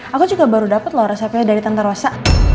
aku juga baru dapat loh resepnya dari tante rosa